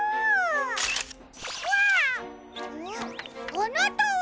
あなたは！